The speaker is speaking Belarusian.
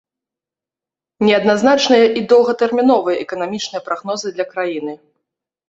Неадназначныя і доўгатэрміновыя эканамічныя прагнозы для краіны.